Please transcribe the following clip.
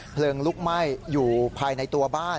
เพลิงลุกไหม้อยู่ภายในตัวบ้าน